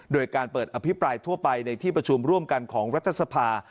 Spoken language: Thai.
โดยการเปิดอภิปรายทั่วไปในที่ประชุมร่วมกันของรัฐสภา